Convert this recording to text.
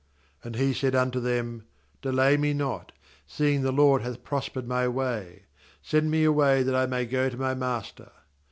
^And he said unto them: 'Delay me not, seeing the LORD hath prospered my way; send me away that I may go to my master.'